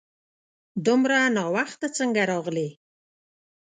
دومره ناوخته څنګه راغلې ؟